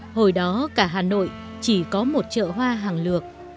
hồi đó cả hà nội chỉ có một chợ hoa hàng lược